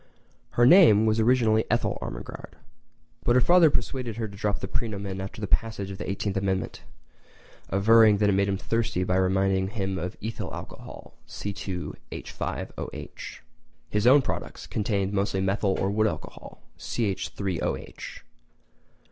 Her name was originally Ethyl Ermengarde, but her father persuaded her to drop the praenomen after the passage of the 18th Amendment, averring that it made him thirsty by reminding him of ethyl alcohol, C2H5OH. His own products contained mostly methyl or wood alcohol, CH3OH.